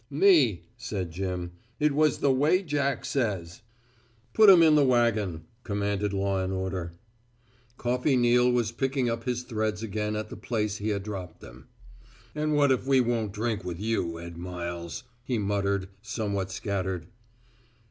"Me," said Jim. "It was the way Jack says." "Put 'em in the wagon," commanded law and order. Coffey Neal was picking up his threads again at the place he had dropped them. "And what if we won't drink with you, Ed Miles!" he muttered, somewhat scattered.